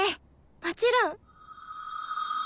もちろん！